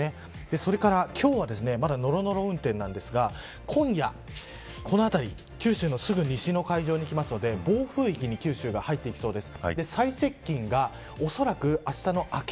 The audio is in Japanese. それから今日はまだ、のろのろ運転なんですが今夜、この辺り九州のすぐ西の海上に来るので暴風域に九州が入ってきそうです。